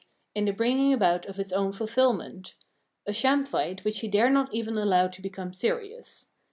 in the good bringing about its own fulfilment — a sham fight which he dare not even allow to become serious.